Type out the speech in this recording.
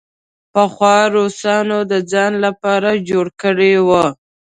پخوا روسانو د ځان لپاره جوړ کړی وو.